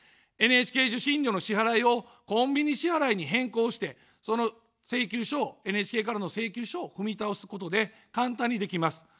ＮＨＫ受信料の支払いをコンビニ支払いに変更して、その請求書を、ＮＨＫからの請求書を踏み倒すことで簡単にできます。